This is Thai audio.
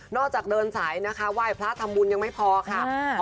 นอกจากเดินสายนะคะว่ายพระธรรมบุญยังไม่พอค่ะ